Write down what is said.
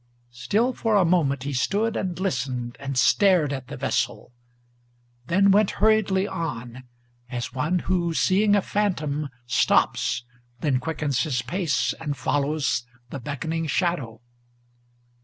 Still for a moment he stood, and listened, and stared at the vessel, Then went hurriedly on, as one who, seeing a phantom, Stops, then quickens his pace, and follows the beckoning shadow.